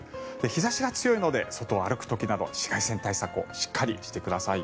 日差しが強いので外を歩く時など紫外線対策をしっかりしてください。